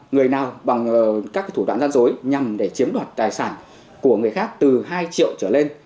người nào bằng các thủ đoạn gian dối nhằm để chiếm đoạt tài sản của người khác từ hai triệu trở lên